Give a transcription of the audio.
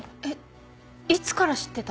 いつから知ってたの？